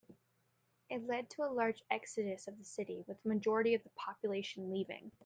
It led to a large exodus of the city, with a majority of the population leaving.